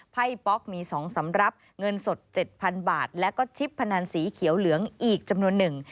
ไพ่ป๊อกมี๒สำหรับเงินสด๗๐๐บาทแล้วก็ชิปพนันสีเขียวเหลืองอีกจำนวนหนึ่ง